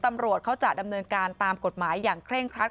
ตำรวจเขาจะดำเนินการตามกฎหมายอย่างเคร่งครัด